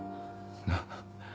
なっ。